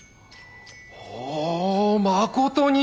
おぉまことに。